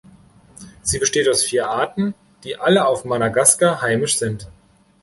Sie besteht aus vier Arten, die alle auf Madagaskar heimisch sind.